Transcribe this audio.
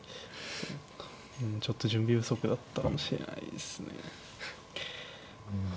うんちょっと準備不足だったかもしれないですね。